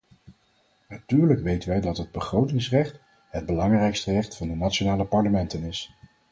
Natuurlijk weten wij dat het begrotingsrecht het belangrijkste recht van de nationale parlementen is.